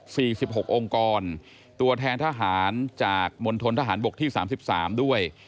สี่สิบหกองกรตัวแทนทหารจากมณฑลทหารบกที่๓๓ด้วย